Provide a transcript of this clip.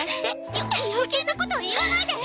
よ余計なこと言わないで！